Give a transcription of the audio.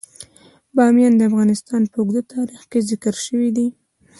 بامیان د افغانستان په اوږده تاریخ کې ذکر شوی دی.